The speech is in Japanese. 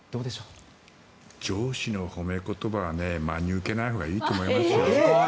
上司の褒め言葉は真に受けないほうがいいと思いますよ。